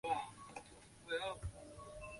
她的父亲有英格兰和荷兰血统。